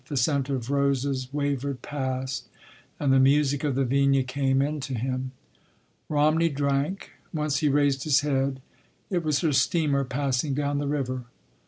The scent of roses wavered past, and the music of the vina came in to him. Romney drank. Once he raised his head. It was her steamer passing down the river.